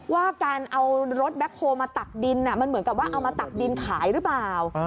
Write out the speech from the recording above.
ว่าการเอารถแบ็คโฮลมาตักดินมันเหมือนกับว่าเอามาตักดินขายหรือเปล่า